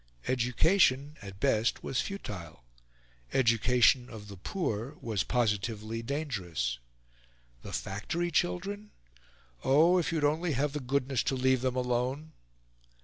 Education at best was futile; education of the poor was positively dangerous. The factory children? "Oh, if you'd only have the goodness to leave them alone!"